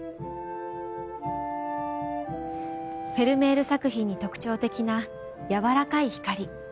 フェルメール作品に特徴的なやわらかい光。